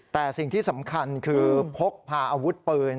แต่สิ่งที่สำคัญคือพกพาอาวุธปืน